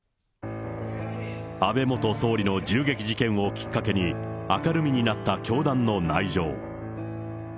安倍元総理の銃撃事件をきっかけに、明るみになった教団の内情。